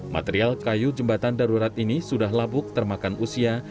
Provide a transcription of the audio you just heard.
material kayu jembatan darurat ini sudah labuk termakan usia